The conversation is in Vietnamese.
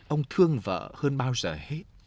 ông thương vợ hơn bao giờ hết